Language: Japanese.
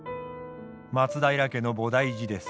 松平家の菩提寺です。